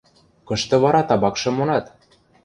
– Кышты вара табакшым монат?